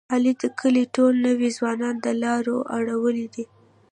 علي د کلي ټول نوی ځوانان د لارې اړولي دي.